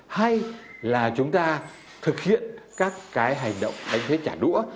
hay là chúng ta thực hiện các hành động đánh thuế chả đũa